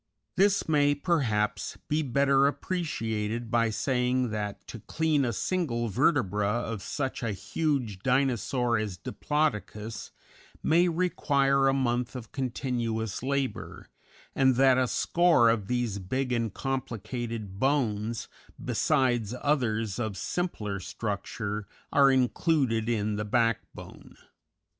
This may, perhaps, be better appreciated by saying that to clean a single vertebra of such a huge Dinosaur as Diplodocus may require a month of continuous labor, and that a score of these big and complicated bones, besides others of simpler structure, are included in the backbone.